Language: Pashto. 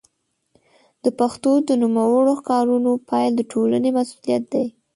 د پښتو د نوموړو کارونو پيل د ټولنې مسوولیت دی.